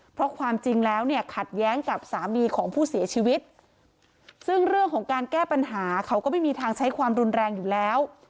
เพราะความจริงแล้วเนี่ยขัดแย้งกับสามีของผู้เสียชีวิตซึ่งเรื่องของการแก้ปัญหาเขาก็ไม่มีทางใช้ความรุนแรงอยู่แล้ว